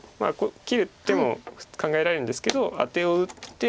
切る手も考えられるんですけどアテを打って。